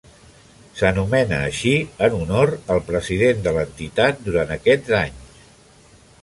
S'anomena així en honor al president de l'entitat durant aquests anys.